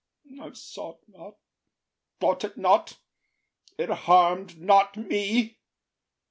I saw’t not, thought it not, it harm’d not me.